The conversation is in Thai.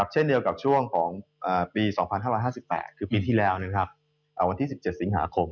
เช่นเดียวกับช่วงของปี๒๕๕๘คือปีที่แล้ววันที่๑๗สิงหาคม